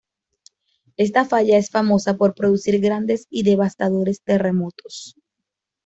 Esta falla es famosa por producir grandes y devastadores terremotos.